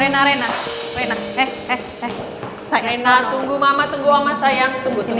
rena rena rena eh eh eh saya enggak tunggu mama tunggu sama sayang